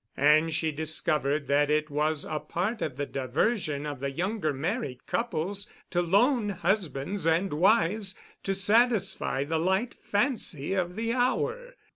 And she discovered that it was a part of the diversion of the younger married couples to loan husbands and wives to satisfy the light fancy of the hour.